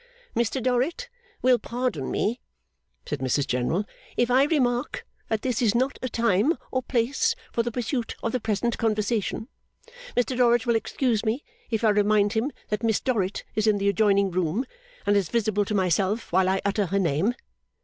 'Mr Dorrit will pardon me,' said Mrs General, 'if I remark that this is not a time or place for the pursuit of the present conversation. Mr Dorrit will excuse me if I remind him that Miss Dorrit is in the adjoining room, and is visible to myself while I utter her name.